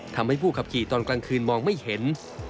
ทำให้ผู้ขับขี่ตอนกลางคืนมองไม่เห็น